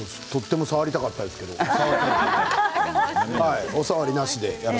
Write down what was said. とても触りたかったけれどもお触りなしで。